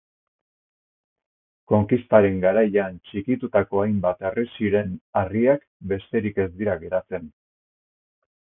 Konkistaren garaian txikitutako hainbat harresiren harriak besterik ez dira geratzen.